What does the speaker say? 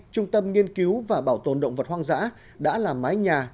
trung tâm nghiên cứu và bảo tồn động vật hoang dã đã làm mái nhà